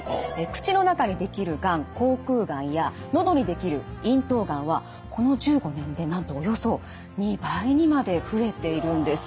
口の中にできるがん口腔がんや喉にできる咽頭がんはこの１５年でなんとおよそ２倍にまで増えているんです。